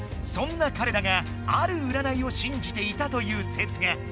そんなかれだが「ある占いを信じていた」という説が。